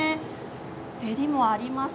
たれもあります。